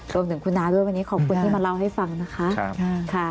รวมถึงคุณน้าด้วยวันนี้ขอบคุณที่มาเล่าให้ฟังนะคะ